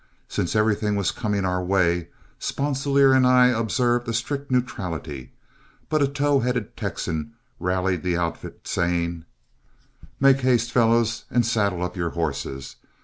Since everything was coming our way, Sponsilier and I observed a strict neutrality, but a tow headed Texan rallied the outfit, saying: "Make haste, fellows, and saddle up your horses.